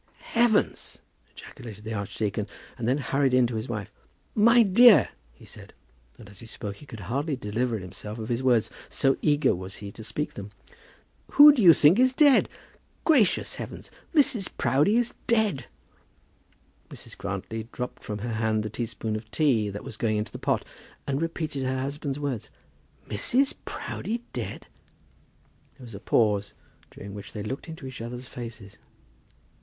"Heavens!" ejaculated the archdeacon, and then hurried in to his wife. "My dear," he said and as he spoke he could hardly deliver himself of his words, so eager was he to speak them "who do you think is dead? Gracious heavens! Mrs. Proudie is dead!" Mrs. Grantly dropped from her hand the teaspoonful of tea that was just going into the pot, and repeated her husband's words. "Mrs. Proudie dead?" There was a pause, during which they looked into each other's faces.